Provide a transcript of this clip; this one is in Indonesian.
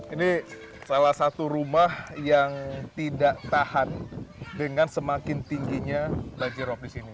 ini salah satu rumah yang tidak tahan dengan semakin tingginya banjirop di sini